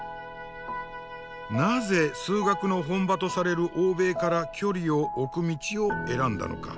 なぜ数学の本場とされる欧米から距離を置く道を選んだのか。